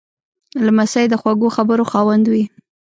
لمسی د خوږو خبرو خاوند وي.